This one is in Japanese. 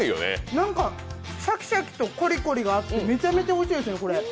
なんかシャキシャキとコリコリがあって、めちゃめちゃおいしいですね。